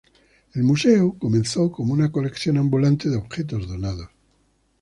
El "museo" comenzó como una colección ambulante de objetos donados.